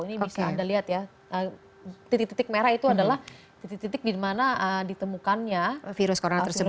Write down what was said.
ini bisa anda lihat ya titik titik merah itu adalah titik titik di mana ditemukannya virus corona